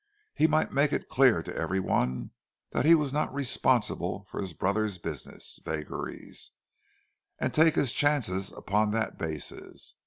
He might make it clear to every one that he was not responsible for his brother's business vagaries, and take his chances upon that basis.